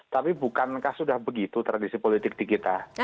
tapi bukankah sudah begitu tradisi politik di kita